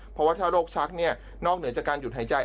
เพราะว่าถ้าโรคชักเนี่ยนอกเหนือจากการหยุดหายใจ